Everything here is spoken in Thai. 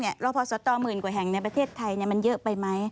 แล้วพอสตหมื่นกว่าแห่งในประเทศไทยมันเยอะไปไหม